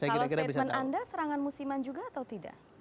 kalau statement anda serangan musiman juga atau tidak